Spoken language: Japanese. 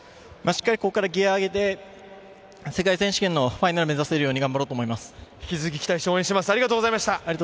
しっかりここからギア上げて世界選手権のファイナル目指せるように頑張ろうと思います。